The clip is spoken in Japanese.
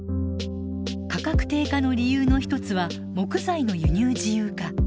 価格低下の理由の一つは木材の輸入自由化。